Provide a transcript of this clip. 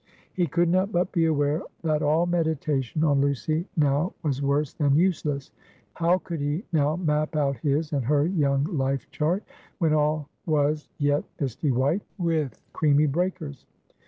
He could not but be aware, that all meditation on Lucy now was worse than useless. How could he now map out his and her young life chart, when all was yet misty white with creamy breakers!